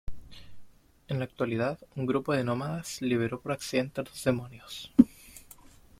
En la actualidad, un grupo de nómadas liberó por accidente a los demonios.